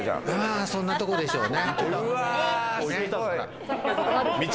そんなとこでしょうね。